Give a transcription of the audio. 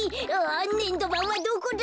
ねんどばんはどこだ！